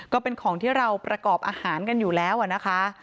ก็เป็นของที่เราประกอบอาหารกันอยู่แล้วนะคะ